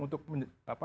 untuk menjaga kemampuan